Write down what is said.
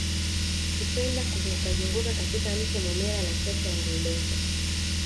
Hupenda kuzungukazunguka katika mto Momella na Kreta ya Ngurudoto